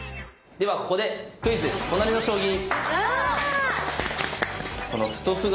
ではここで「クイズ！トナリの将棋」。